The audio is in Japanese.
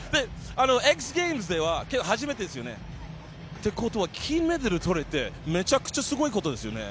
ＸＧａｍｅｓでは初めてですよね。ってことは、金メダル取れて、めちゃくちゃすごいことですよね。